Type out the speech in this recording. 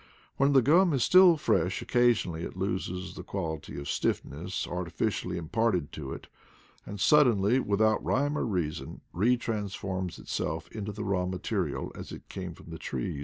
When the gum is still fresh occasionally it loses the quality of stiff ness artificially imparted to it, and suddenly, with out rhyme or reason, retransf orms itself into the raw material as it came from the tree.